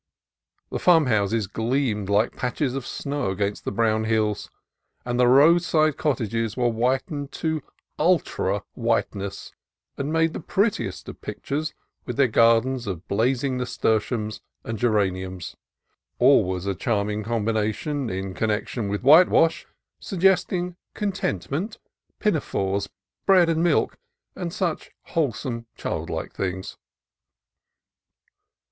The farmhouses gleamed like patches of snow against the brown hills, and the roadside cottages were whitened to ultra whiteness, and made the prettiest of pictures with their gar dens of blazing nasturtiums and geraniums, — al ways a charming combination in connection with whitewash, suggesting contentment, pinafores, bread and milk, and such wholesome, childlike things.